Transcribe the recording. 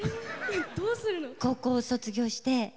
高校を卒業して。